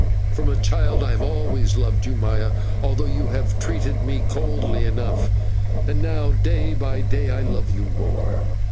From a child I always loved you, Maya, although you have treated me coldly enough, and now day by day I love you more.